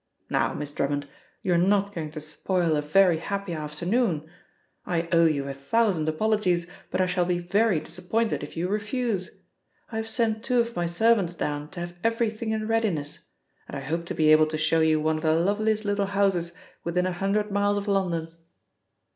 Now, Miss Drummond, you are not going to spoil a very happy afternoon? I owe you a thousand apologies, but I shall be very disappointed if you refuse: I have sent two of my servants down to have everything in readiness, and I hope to be able to show you one of the loveliest little houses within a hundred miles of London."